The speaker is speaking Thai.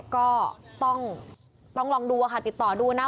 ก็ต้องลองดูค่ะติดต่อดูนะ